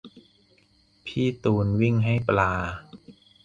พี่ตูนวิ่งให้ปลา